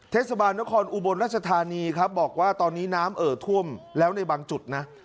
เทศบาลนครอุบลรัชธานีครับบอกว่าตอนนี้น้ำเอ่อท่วมแล้วในบางจุดนะ